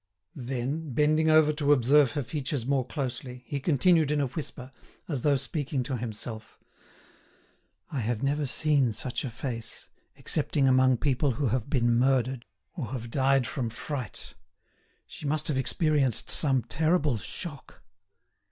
Then bending over to observe her features more closely, he continued in a whisper, as though speaking to himself: "I have never seen such a face, excepting among people who have been murdered or have died from fright. She must have experienced some terrible shock."